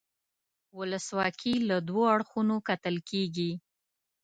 ولسواکي له دوو اړخونو کتل کیږي.